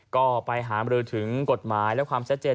ก็ไปหามรือถึงกฎหมายและความชัดเจน